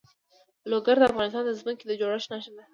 لوگر د افغانستان د ځمکې د جوړښت نښه ده.